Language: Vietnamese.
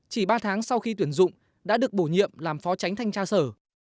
chỉ ba tháng sau khi tuyển dụng đã được bổ nhiệm làm phó tránh thanh tra sở